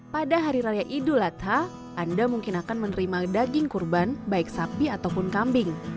pada hari raya idul adha anda mungkin akan menerima daging kurban baik sapi ataupun kambing